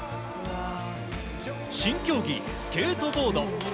新競技スケートボード。